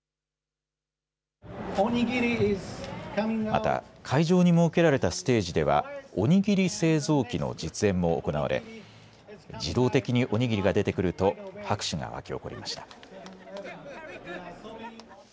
また、会場に設けられたステージではお握り製造機の実演も行われ、自動的にお握りが出てくると拍手が沸き起こりました。